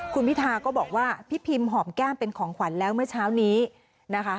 คุณพิธาก็บอกว่าพี่พิมหอมแก้มเป็นของขวัญแล้วเมื่อเช้านี้นะคะ